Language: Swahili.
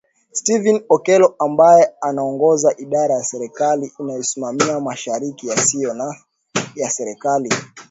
Stephen Okello, ambaye anaongoza idara ya serikali inayosimamia mashirika yasiyo ya kiserikali